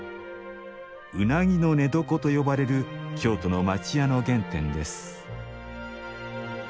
「うなぎの寝床」と呼ばれる京都の町家の原点です